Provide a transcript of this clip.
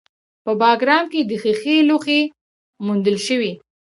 په بګرام کې د ښیښې لوښي موندل شوي